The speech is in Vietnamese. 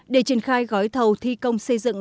để triển khai gói thầu thi công xây dựng